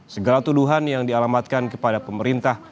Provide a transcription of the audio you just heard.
segala tuduhan yang dialamatkan kepada pemerintah